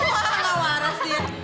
wah gak waras dia